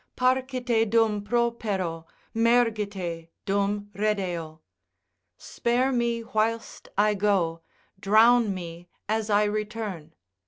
Parcite dum propero, mergite dum redeo. Spare me whilst I go, drown me as I return.